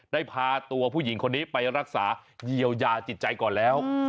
ได้พาตัวผู้หญิงคนนี้ไปรักษาเยียวยาจิตใจก่อนแล้ว